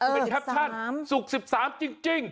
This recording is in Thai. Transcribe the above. เป็นแคปชั่นศุกร์๑๓จริง